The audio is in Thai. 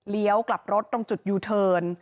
เหลี้ยวกลับรถตรงจุดยูเทิร์น